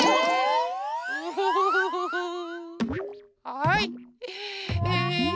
はい。